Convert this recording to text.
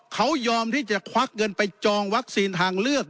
เขายอมที่จะควักเงินไปจองวัคซีนทางเลือก